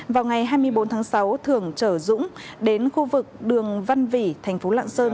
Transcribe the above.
vào ngày hai mươi bốn tháng sáu thường chở dũng đến khu vực đường văn vỉ tp lạng sơn